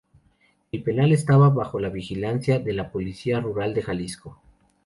El penal estaba bajo la vigilancia de la Policía Rural de Jalisco.